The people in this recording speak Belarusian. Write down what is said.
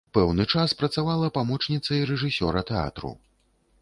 Пэўны час працавала памочніцай рэжысёра тэатру.